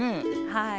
はい。